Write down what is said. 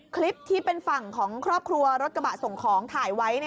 คลิปที่เป็นฝั่งของครอบครัวรถกระบะส่งของถ่ายไว้